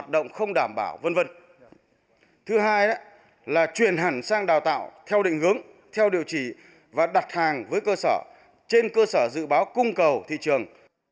đó là chuyển hẳn sang đào tạo theo định hướng theo điều trị và đặt hàng với cơ sở trên cơ sở dự báo cung cầu thị trường